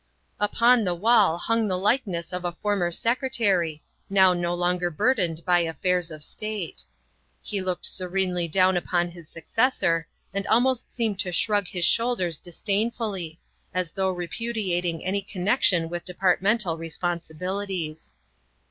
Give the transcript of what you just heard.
Upon the wall hung the likeness of a former Secre tary, now no longer burdened by affairs of state. He looked serenely down upon his successor and almost seemed to shrug his shoulders disdainfully, as though repudiating any connection with Departmental respon sibilities.